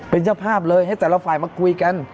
เป็นเจ้าภาพเลยให้แต่ละฝ่ายมาคุยกัน